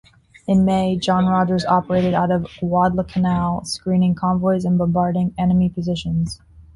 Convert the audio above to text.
In May, "John Rodgers" operated out of Guadalcanal screening convoys and bombarding enemy positions.